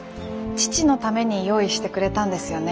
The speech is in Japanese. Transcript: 父のために用意してくれたんですよね。